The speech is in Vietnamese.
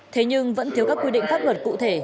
thế nhưng vẫn thiếu các quy định pháp luật cụ thể